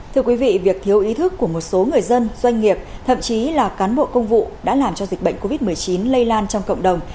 thưa quý vị việc thiếu ý thức của một số người dân doanh nghiệp thậm chí là cán bộ công vụ đã làm cho dịch bệnh covid một mươi chín lây lan trong cộng đồng